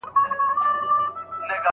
نو لیکنه دې صفا ده.